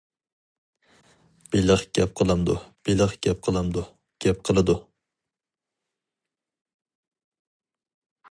بېلىق گەپ قىلامدۇ-بېلىق گەپ قىلامدۇ؟ -گەپ قىلىدۇ.